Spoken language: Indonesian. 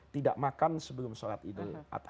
tidak makan sebelum sholat idl athah